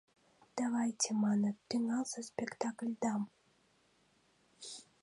— Давайте, — маныт, — тӱҥалза спектакльдам!